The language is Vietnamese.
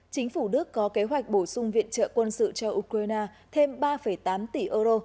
chính phủ đức có kế hoạch bổ sung viện trợ quân sự cho ukraine thêm ba tám tỷ euro